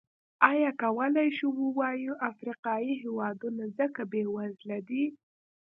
ایا کولای شو ووایو افریقايي هېوادونه ځکه بېوزله دي.